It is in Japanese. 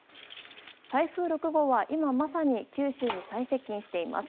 台風６号は今まさに九州に最接近しています。